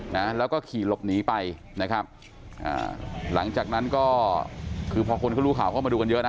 นะแล้วก็ขี่หลบหนีไปนะครับอ่าหลังจากนั้นก็คือพอคนเขารู้ข่าวเข้ามาดูกันเยอะนะ